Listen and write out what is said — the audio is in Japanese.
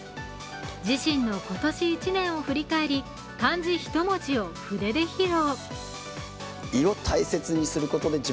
自身の今年１年を振り返り漢字一文字を筆で披露。